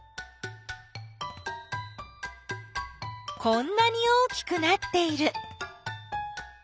こんなに大きくなっている。